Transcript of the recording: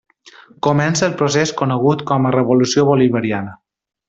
Comença el procés conegut com a Revolució Bolivariana.